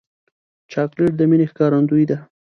چاکلېټ د مینې ښکارندویي ده.